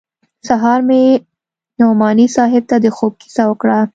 سهار مې نعماني صاحب ته د خوب کيسه وکړه.